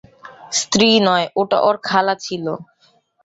স্ত্রী নয়, ওটা ওর খালা ছিল।